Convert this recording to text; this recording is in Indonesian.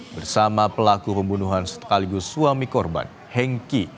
bersama pelaku pembunuhan sekaligus suami korban hengki